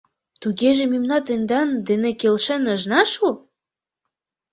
Тугеже ме тендан дене келшен ыжна шу?